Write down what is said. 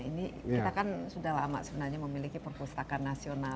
ini kita kan sudah lama sebenarnya memiliki perpustakaan nasional